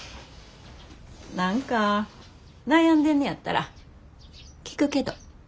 何か悩んでんねやったら聞くけど。